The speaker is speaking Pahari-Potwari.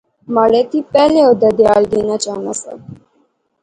مڑے تھی پہلے او دادھیال گینے چاہنا سا